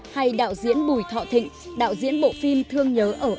hay đạo diễn bùi thọ thịnh đạo diễn bộ phim thương nhớ ở